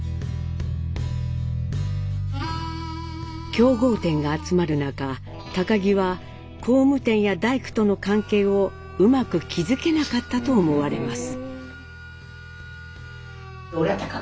競合店が集まる中儀は工務店や大工との関係をうまく築けなかったと思われます。